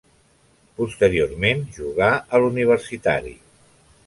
Posteriorment jugà a l'Universitari.